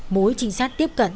mỗi trinh sát tiếp cận